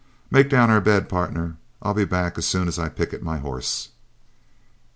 Make down our bed, pardner; I'll be back as soon as I picket my horse."